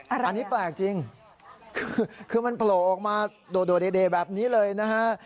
อันนี้แปลกจริงคือมันโผล่ออกมาโดดเด่แบบนี้เลยนะฮะ